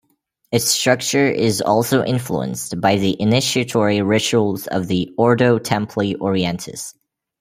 Its structure is also influenced by the initiatory rituals of the "Ordo Templi Orientis".